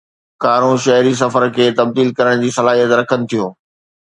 ڪارون شهري سفر کي تبديل ڪرڻ جي صلاحيت رکن ٿيون